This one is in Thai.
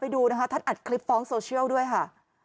ดูนะคะท่านอัดคลิปฟ้องโซเชียลด้วยค่ะ